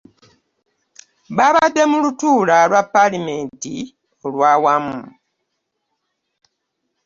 Baabadde mu lutuula lwa palamenti olw'awamu